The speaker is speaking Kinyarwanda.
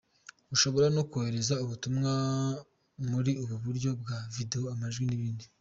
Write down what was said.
Ushobora no kohereza ubutumwa buri mu buryo bwa video, amajwi n’ibindi.